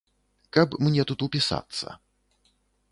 Каб мне тут упісацца.